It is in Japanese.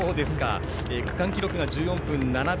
区間記録が１４分７秒。